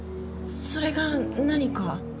それが何か？